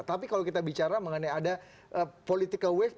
tapi kalau kita bicara mengenai ada political wave